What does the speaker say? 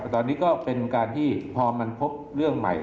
ตอนนี้ก็เป็นการที่พอมันพบเรื่องใหม่